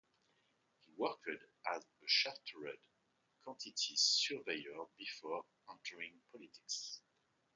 He worked as a chartered quantity surveyor before entering politics.